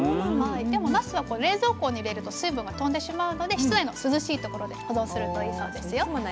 でもなすは冷蔵庫に入れると水分が飛んでしまうので室内の涼しい所で保存するといいそうですよ。